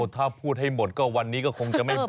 ถ้าพูดให้หมดก็วันนี้ก็คงจะไม่พอ